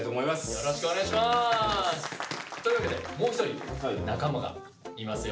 よろしくお願いします！というわけでもう一人仲間がいますよ。